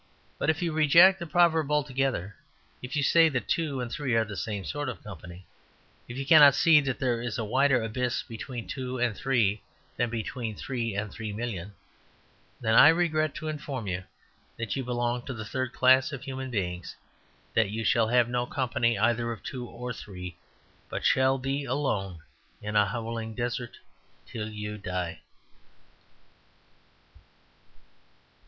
But if you reject the proverb altogether; if you say that two and three are the same sort of company; if you cannot see that there is a wider abyss between two and three than between three and three million then I regret to inform you that you belong to the Third Class of human beings; that you shall have no company either of two or three, but shall be alone in a howling desert till you die.